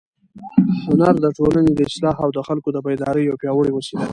هنر د ټولنې د اصلاح او د خلکو د بیدارۍ یوه پیاوړې وسیله ده.